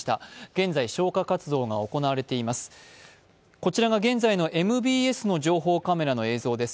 こちらが現在のＭＢＳの情報カメラの映像です。